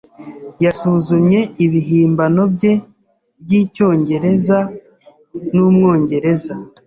Yasuzumye ibihimbano bye by'icyongereza n'umwongereza.